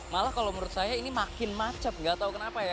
malah kalau menurut saya ini makin macet gak tau kenapa ya